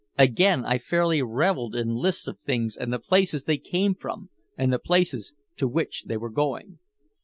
Again I fairly reveled in lists of things and the places they came from and the places to which they were going.